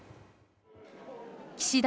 岸田